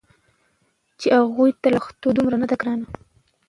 چې هغوی ته پښتو لا دومره نه ده ګرانه